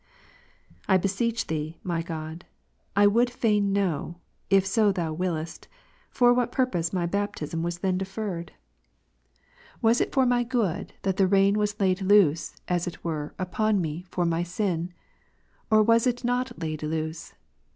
I beseech Thee, my God, I would fain know, if so Thou wiliest, for what purpose my baptism was then defer red ? Was it for my good that the rein was laid loose, as it were, upon me, for me to sin ? or was it not laid loose